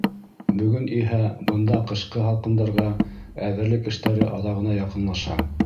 Бөгөн иһә бында ҡышҡы һалҡындарға әҙерлек эштәре аҙағына яҡынлаша.